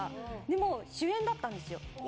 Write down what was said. もう主演だったんですよ。